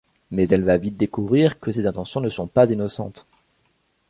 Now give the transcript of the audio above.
Mais elle va vite découvrir que ses intentions ne sont pas innocentes...